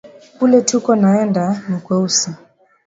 Kule tuko naenda ni kweusi